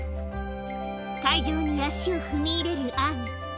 会場に足を踏み入れるアン。